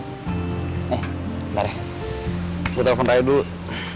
nih ntar deh gue telepon raya dulu